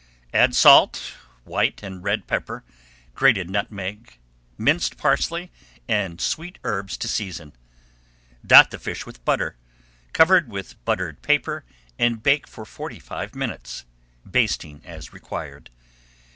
Add salt, white and red pepper, grated nutmeg, minced parsley, and sweet herbs to season. Dot the fish with butter, cover with buttered paper, and bake for forty five minutes, basting as required.